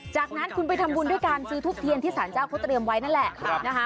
จากนั้นคุณไปทำบุญด้วยการซื้อทุบเทียนที่สารเจ้าเขาเตรียมไว้นั่นแหละนะคะ